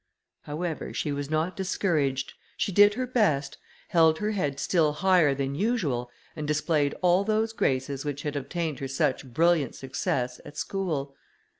However, she was not discouraged; she did her best, held her head still higher than usual, and displayed all those graces which had obtained her such brilliant success at school.